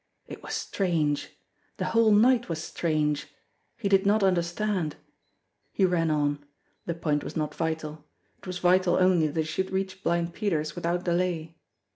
It was strange ! The whole night was strange ! He did not understand. He ran on. The point was not vital. It was vital only that he should reach Blind Peter's without delay.